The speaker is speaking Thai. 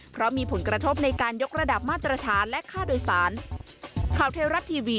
เพราะมีผลกระทบในการยกระดับมาตรฐานและค่าโดยสาร